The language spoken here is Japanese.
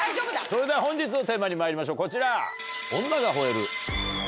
それでは本日のテーマにまいりましょうこちら。